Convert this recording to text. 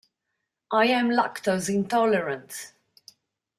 I am lactose intolerant.